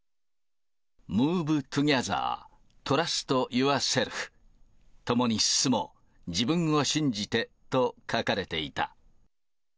ムーブ・トゥギャザー、トラスト・ユアセルフ、共に進もう、自分を信じてと書かれていた。